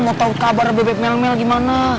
mau tau kabar bebek melmel gimana